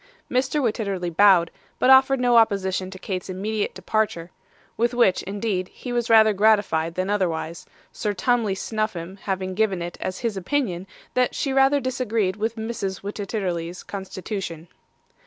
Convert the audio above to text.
Mr. Wititterly bowed, but offered no opposition to Kate's immediate departure; with which, indeed, he was rather gratified than otherwise, Sir Tumley Snuffim having given it as his opinion, that she rather disagreed with Mrs. Wititterly's constitution.